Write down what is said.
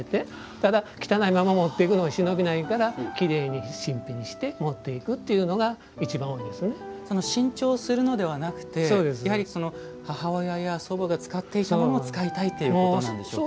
ただ、汚いまま持っていくのは忍びないからきれいに新品にして持っていくというのが新調するのではなくてやはり母親や祖母が使っていたものを使いたいということなんでしょうか。